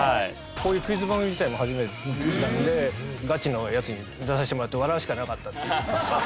こういうクイズ番組自体も初めてなのでガチのやつに出させてもらって笑うしかなかったっていう。